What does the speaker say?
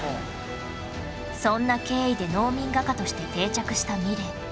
そんな経緯で農民画家として定着したミレー